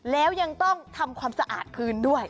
แล้วยังต้องทำความสะอาดคืนด้วย